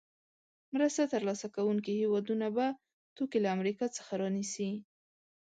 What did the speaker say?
مرسته تر لاسه کوونکې هېوادونه به توکي له امریکا څخه رانیسي.